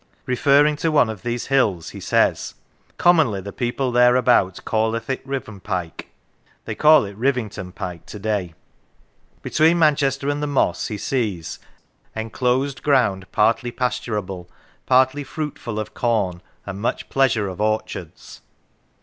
Referring to one of these hills he says :" Commonly the people thereabout calleth it Rivenpike." They call it Rivington Pike to day. Between Manchester and the Moss he sees " en closed ground partly pasturable, partly fruitful of corn, and much pleasure of orchards."